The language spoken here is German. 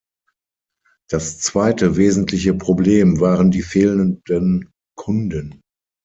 Das zweite wesentliche Problem waren die fehlenden Kunden.